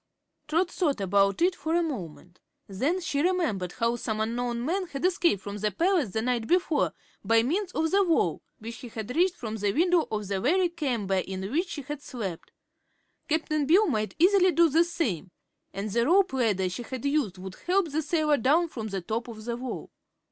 Trot thought about it for a moment. Then she remembered how some unknown man had escaped from the palace the night before, by means of the wall, which he had reached from the window of the very chamber in which she had slept. Cap'n Bill might easily do the same. And the rope ladder she had used would help the sailor down from the top of the wall.